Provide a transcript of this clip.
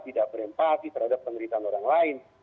tidak berempati terhadap penderitaan orang lain